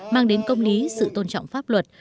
mang đến công lý sự tôn trọng pháp luật